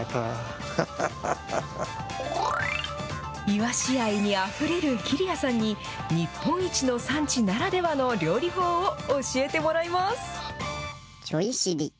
いわし愛にあふれる桐谷さんに、日本一の産地ならではの料理法を教えてもらいます。